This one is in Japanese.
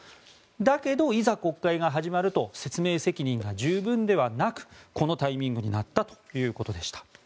だけど、いざ国会が始まると説明責任が十分ではなくこのタイミングになったということでした。